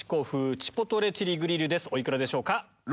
お幾らでしょうか？